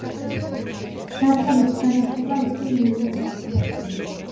დაწყებითი განათლება იქვე მიიღო.